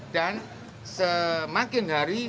dan semakin hari